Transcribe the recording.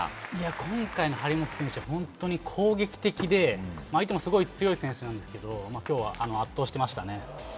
今回の張本選手は攻撃的で、相手もすごい選手ですが今日は圧倒していましたね。